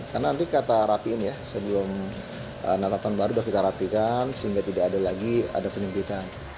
karena nanti kata rapiin ya sebelum natal tahun baru udah kita rapikan sehingga tidak ada lagi penyimpitan